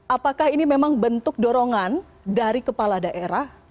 apakah ini memang bentuk dorongan dari kepala daerah